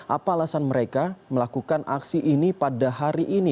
apa alasan mereka melakukan aksi ini pada hari ini